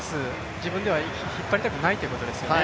自分では引っ張りたくないということですよね。